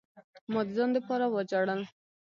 ما د ځان د پاره وجړل.